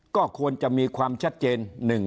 ก็ควรจะมีความชัดเจน๑๒๓๔๕